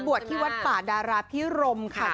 ผ่วงลงที่วัดป่าดราภิรมพี่นรดิ